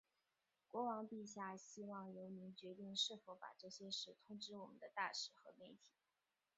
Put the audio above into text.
国王陛下希望由您决定是否把这些事通知我们的大使和媒体。